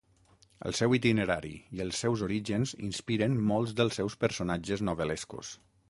El seu itinerari i els seus orígens inspiren molts dels seus personatges novel·lescos.